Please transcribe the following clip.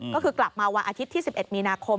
ก็คือกลับมาวันอาทิตย์ที่๑๑มีนาคม